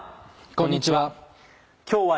こんにちは。